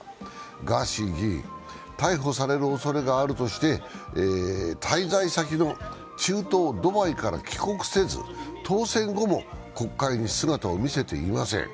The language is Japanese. ガーシー議員、逮捕されるおそれがあるとして滞在先の中東ドバイから帰国せず当選後も国会に姿を見せていません。